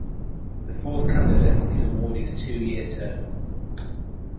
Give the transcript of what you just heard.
The fourth candidate is awarded a two-year term.